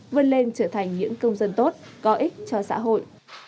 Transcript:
vươn lên trở thành những công dân tốt có ích cho xã hội